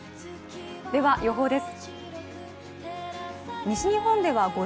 では、予報です。